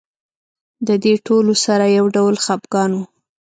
د دې ټولو سره یو ډول خپګان و.